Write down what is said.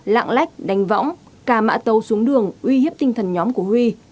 lạng lách đánh võng cà mạ tàu xuống đường uy hiếp tinh thần nhóm của huy